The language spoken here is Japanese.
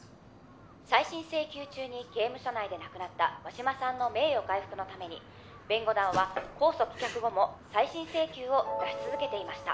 再審請求中に刑務所内で亡くなった真島さんの名誉回復のために弁護団は控訴棄却後も再審請求を出し続けていました